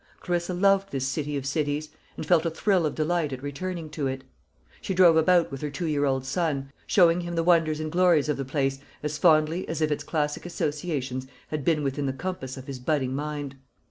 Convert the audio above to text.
Clarissa loved this city of cities, and felt a thrill of delight at returning to it. She drove about with her two year old son, showing him the wonders and glories of the place as fondly as if its classic associations had been within the compass of his budding mind.